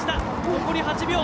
残り８秒。